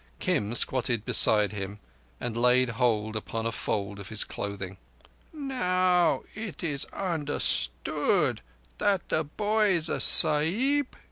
Kim squatted beside him and laid hold upon a fold of his clothing. "Now it is understood that the boy is a Sahib?"